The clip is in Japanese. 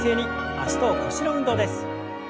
脚と腰の運動です。